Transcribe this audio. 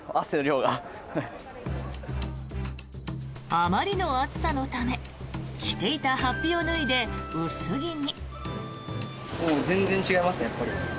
あまりの暑さのため着ていた法被を脱いで薄着に。